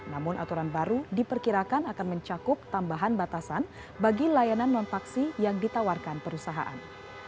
namun aturan baru diperkirakan akan mencakup tambahan batasan bagi layanan non taksi yang ditawarkan perusahaan